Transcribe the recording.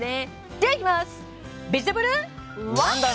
ではいきます。